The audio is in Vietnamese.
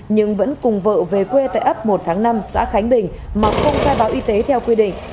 nhưng vẫn cùng vợ về quê tại ấp một tháng năm xã khánh bình mà không khai báo y tế theo quy định